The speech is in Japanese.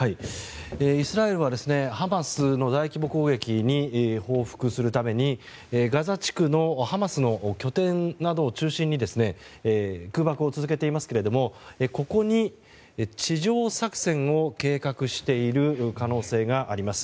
イスラエルはハマスの大規模攻撃に報復するためにガザ地区のハマスの拠点などを中心に空爆を続けていますけどここに地上作戦を計画している可能性があります。